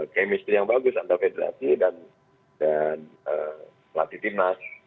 chemistry yang bagus antara federasi dan latih tim nasa